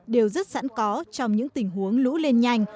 đều rất sẵn có trong những tình huống lũ lên nhanh